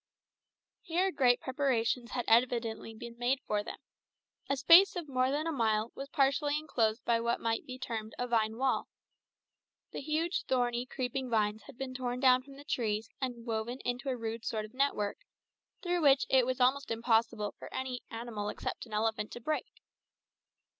Here great preparations had evidently been made for them. A space of more than a mile was partially enclosed by what might be termed a vine wall. The huge, thorny, creeping vines had been torn down from the trees and woven into a rude sort of network, through which it was almost impossible for any animal except an elephant to break.